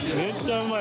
うまい！